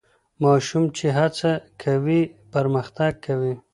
ماشوم چي هڅه کوي پرمختګ کوي.